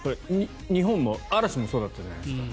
日本も、嵐もそうだったじゃないですか。